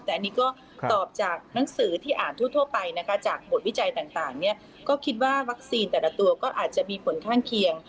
แต่อันนี้ก็ตอบจากหนังสือที่อ่านทั่วไปนะคะจากหมดวิจัยต่าง